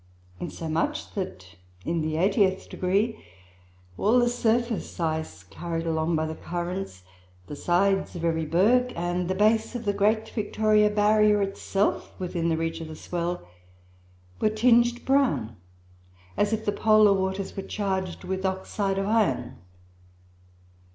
Insomuch, that in the eightieth degree, all the surface ice carried along by the currents, the sides of every berg and the base of the great Victoria Barrier itself, within reach of the swell, were tinged brown, as if the polar waters were charged with oxide of iron.